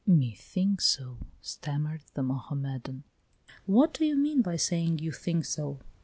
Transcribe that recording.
"Me think so," stammered the Mohammedan. "What do you mean by saying you think so?